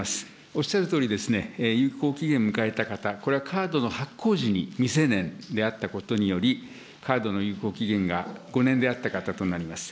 おっしゃるとおり、有効期限を迎えた方、これはカードの発行時に未成年であったことにより、カードの有効期限が５年であった方となります。